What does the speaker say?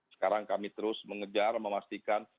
sekarang kami terus mengejar memastikan